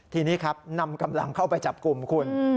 ทีนี้ครับนำกำลังเข้าไปจับกลุ่มคุณ